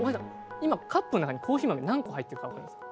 今カップの中にコーヒー豆何個入ってるか分かりますか？